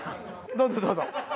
どうぞどうぞ。